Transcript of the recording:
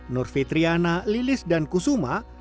nurvi triana lilis dan kusuma